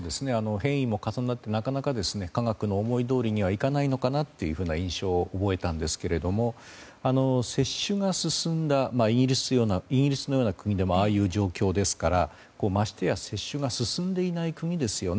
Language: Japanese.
変異も重なってなかなか科学の思いどおりにはいかないのかなという印象を覚えたんですが接種が進んだイギリスのような国でもああいう状況ですからましてや接種が進んでいない国ですよね。